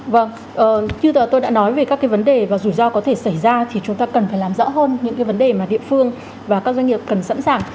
vâng như tôi đã nói về các cái vấn đề và rủi ro có thể xảy ra thì chúng ta cần phải làm rõ hơn những cái vấn đề mà địa phương và các doanh nghiệp cần sẵn sàng